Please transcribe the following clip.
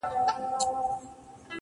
لا به چي تا پسې بهيږي اوښکي څه وکړمه~